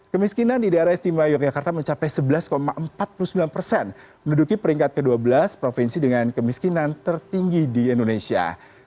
kemiskinan di daerah istimewa yogyakarta mencapai sebelas empat puluh sembilan persen menduduki peringkat ke dua belas provinsi dengan kemiskinan tertinggi di indonesia